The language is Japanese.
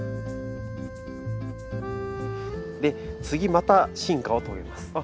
で次また進化を遂げます。